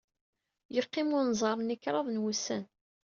Yeqqim unẓar-nni kraḍ n wussan.